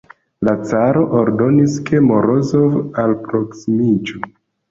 La caro ordonis, ke Morozov alproksimiĝu.